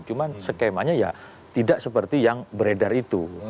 cuma skemanya ya tidak seperti yang beredar itu